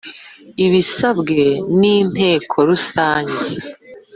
ibisabwe n Inteko Rusange